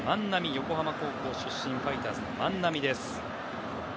横浜高校出身ファイターズの万波です。